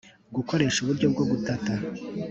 gukoresha uburyo bwo gutata